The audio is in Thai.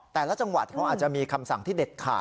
แต่ละจังหวัดเขาอาจจะมีคำสั่งที่เด็ดขาด